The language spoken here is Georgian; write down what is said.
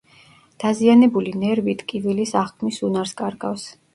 დაზიანებული ნერვი ტკივილის აღქმის უნარს კარგავს.